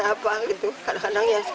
ketika dianggap terlalu banyak